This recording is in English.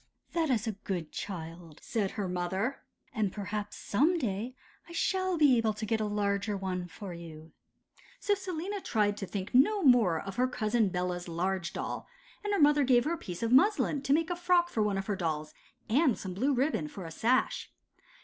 'That is a good child,' said her mother; 'and perhaps some day I shall be able to get a larger one for you.' So Selina tried to think no more of her Cousin Bella's large doll, and her mother gave her a piece of muslin to make a frock for one of her own dolls, and some blue ribbon for a sash.